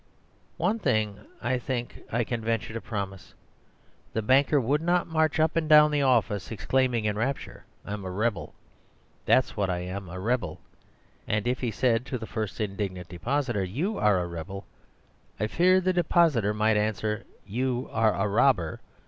One thing, I think, I can venture to promise; the banker would not march up and down the office exclaiming in rapture, "I'm a rebel! That's what I am, a rebel!" And if he said to the first indignant depositor "You are a rebel," I fear the depositor might answer, "You are a robber."